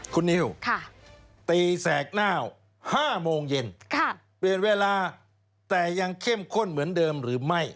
คุณนิวตีแสกหน้า๕โมงเย็นเปลี่ยนเวลาแต่ยังเข้มข้นเหมือนเดิมหรือไม่